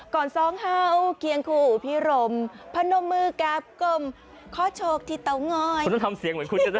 คุณต้องทำเสียงเหมือนคุณจะทำด้วยสิ